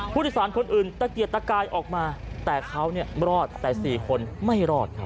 ผู้โดยสารคนอื่นตะเกียดตะกายออกมาแต่เขารอดแต่๔คนไม่รอดครับ